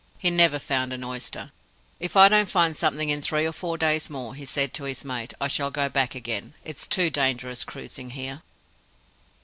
He never found an oyster. "If I don't find something in three or four days more," said he to his mate, "I shall go back again. It's too dangerous cruising here."